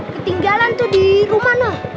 ketinggalan tuh di rumah noh